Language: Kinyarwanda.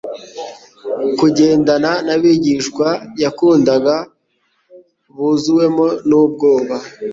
kugendana n'abigishwa yakundaga buzuwemo n'ubwoba,